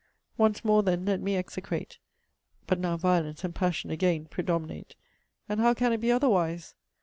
Once more then let me execrate but now violence and passion again predominate! And how can it be otherwise?